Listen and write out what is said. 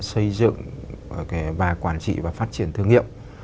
xây dựng và quản trị và phát triển thương hiệu